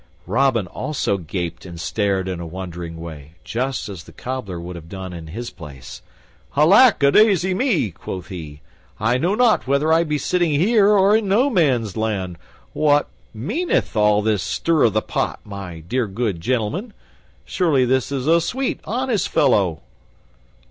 Robin also gaped and stared in a wondering way, just as the Cobbler would have done in his place. "Alack a daisy, me," quoth he. "I know not whether I be sitting here or in No man's land! What meaneth all this stir i' th' pot, dear good gentlemen? Surely this is a sweet, honest fellow."